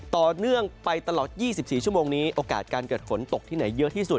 ต่อเนื่องไปตลอด๒๔ชั่วโมงนี้โอกาสการเกิดฝนตกที่ไหนเยอะที่สุด